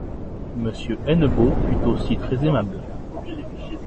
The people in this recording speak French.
Monsieur Hennebeau fut aussi très aimable.